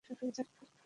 আমার সেক্রেটারি হবি?